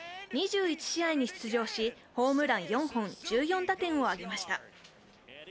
２１試合に出場しホームラン４本、１４打点を挙げました。